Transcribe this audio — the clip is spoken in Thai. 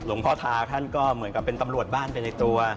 พ่อทาท่านก็เหมือนกับเป็นตำรวจบ้านไปในตัว